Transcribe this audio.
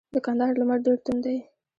د کندهار لمر ډیر توند دی.